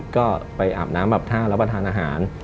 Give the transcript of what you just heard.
ก็ไปอาบน้ำอาบท่ารับประทานอาหาร